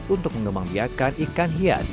untuk mengembang biakan ikan hias